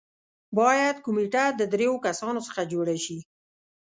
باید کمېټه د دریو کسانو څخه جوړه شي.